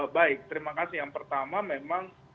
baik terima kasih yang pertama memang